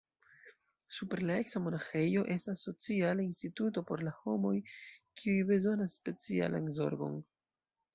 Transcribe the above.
Super la eksa monaĥejo estas sociala instituto por la homoj, kiuj bezonas specialan zorgon.